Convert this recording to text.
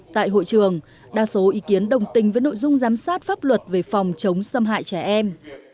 tại hội trường đa số ý kiến đồng tình với nội dung giám sát pháp luật về phòng chống xâm hại trẻ em